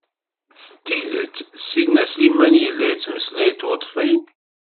S tidet sidna Sliman yella yettmeslay d tweḍfin?